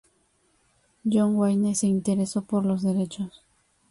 John Wayne se interesó por los derechos.